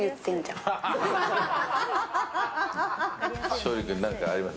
昇利君、何かあります？